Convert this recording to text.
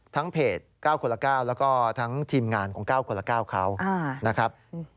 เพจ๙คนละ๙แล้วก็ทั้งทีมงานของ๙คนละ๙เขานะครับ